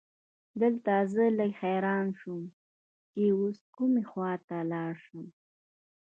دلته زه لږ حیران شوم چې اوس کومې خواته لاړ شم.